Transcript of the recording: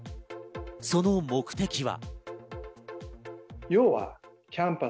その目的は。